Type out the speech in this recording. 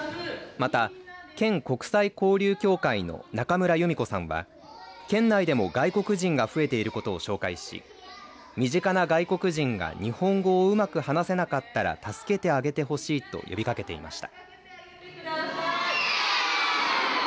また、県国際交流協会の中村由美子さんは県内でも外国人が増えていることを紹介し身近な外国人が日本語をうまく話せなかったら助けてあげてほしいと呼びかけていました。